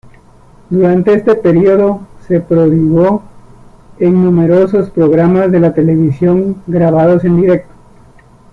Durante este período, se prodigó en numerosos programas de la televisión grabados en directo.